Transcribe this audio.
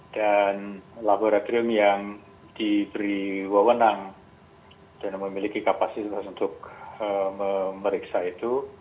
dan laboratorium yang diberi wawanan dan memiliki kapasitas untuk memeriksa itu